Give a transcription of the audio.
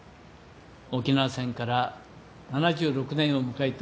沖縄戦から７６年を迎えた